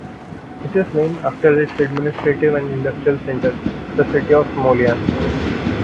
It is named after its administrative and industrial centre - the city of Smolyan.